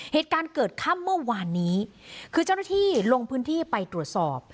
เหตุการณ์เกิดค่ำเมื่อวานนี้คือเจ้าหน้าที่ลงพื้นที่ไปตรวจสอบ